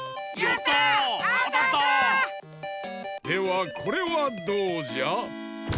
ではこれはどうじゃ？